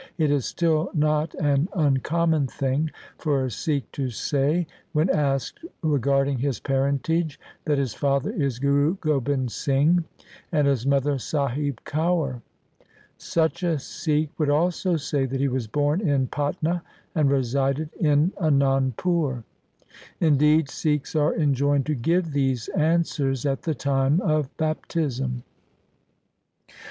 It is still not an uncommon thing for a Sikh to say, when asked regarding his parentage, that his father is Guru Gobind Singh, and his mother Sahib Kaur. Such a Sikh would also say that he was born in Patna, and resided in Anandpur. Indeed, Sikhs are enjoined to give these answers at the time of bap tism.